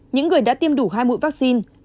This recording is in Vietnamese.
những người đã tiêm đủ hai mũi vaccine